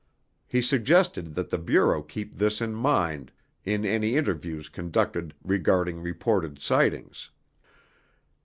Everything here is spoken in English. He suggested that the Bureau keep this in mind in any interviews conducted regarding reported sightings.